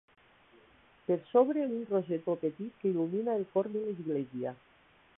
Per sobre un rosetó petit que il·lumina el cor de l'església.